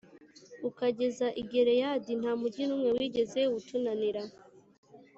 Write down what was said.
ukageza i gileyadi, nta mugi n’umwe wigeze utunanira+